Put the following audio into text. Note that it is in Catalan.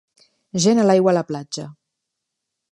Gent a l'aigua a la platja.